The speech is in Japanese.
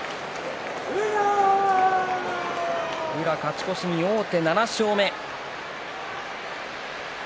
宇良、勝ち越しに王手、７勝目。